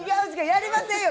やりませんよ。